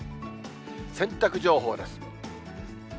洗濯情報です。